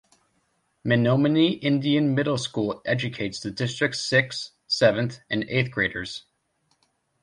Menominee Indian Middle School educates the District's sixth, seventh, and eighth graders.